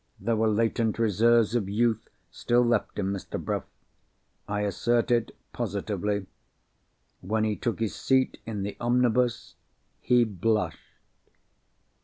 There were latent reserves of youth still left in Mr. Bruff. I assert it positively—when he took his seat in the omnibus, he blushed!